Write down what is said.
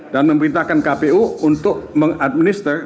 dan memberitakan kpu untuk mengadminister